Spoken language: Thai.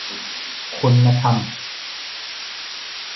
คุณธรรม